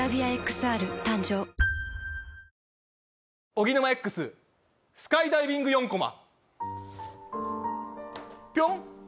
おぎぬまＸスカイダイビング４コマ。